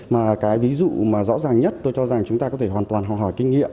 mà cái ví dụ mà rõ ràng nhất tôi cho rằng chúng ta có thể hoàn toàn học hỏi kinh nghiệm